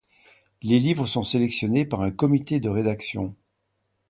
Les livres sont sélectionnés par un comité de rédaction.